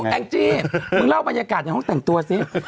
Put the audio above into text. หนูแองกิมึงเล่าบรรยากาศอยู่ห้องแต่งตัวสิ